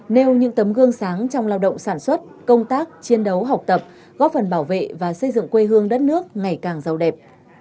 nêu những tấm gương sáng trong lao động sản xuất công tác chiến đấu học tập góp phần bảo vệ và xây dựng quê hương đất nước ngày càng giàu đẹp